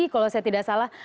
kalau saya tidak salah